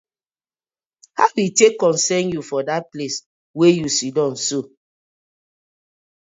How e tak concern yu for dat place wey yu siddon so?